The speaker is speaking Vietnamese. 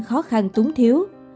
khó khăn túng thiếu